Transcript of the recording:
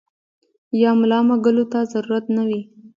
يا ملا مږلو ته ضرورت نۀ وي -